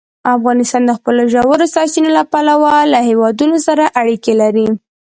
افغانستان د خپلو ژورو سرچینو له پلوه له هېوادونو سره اړیکې لري.